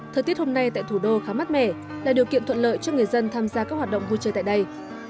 thời tiết hôm nay tại thủ đô khá mát mẻ là điều kiện thuận lợi cho người dân tham gia các hoạt động vui chơi tại đây